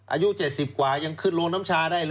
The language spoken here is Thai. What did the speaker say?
อายุ๗๐กว่ายังขึ้นโรงน้ำชาได้เลย